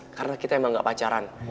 karena kita emang gak pacaran